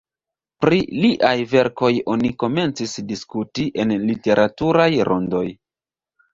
Pri liaj verkoj oni komencis diskuti en literaturaj rondoj.